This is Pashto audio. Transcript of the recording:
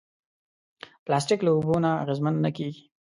پلاستيک له اوبو نه اغېزمن نه کېږي.